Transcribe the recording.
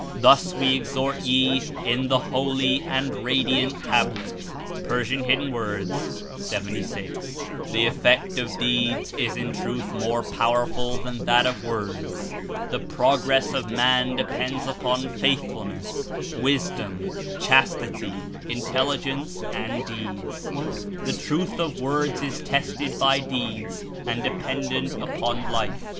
Thus Jf'e exhort \e in the holy and radiant Tablet.'' (P. 76.) "The effect of deeds is in truth more pozierful than that of zvords. The pro^^ress of man depends upon faithfulness, zvisdom, chastity, intelligence and deeds.'' "The truth of icords is tested by deeds and dependent upon life.